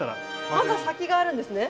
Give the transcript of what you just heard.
まだ先があるんですね。